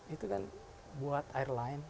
itu kan buat airline